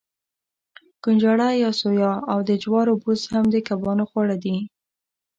کنجاړه یا سویا او د جوارو بوس هم د کبانو خواړه دي.